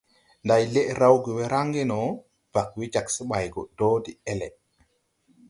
Nday lɛʼ rawge we raŋge no, bag we jag se ɓay do de-ɛle.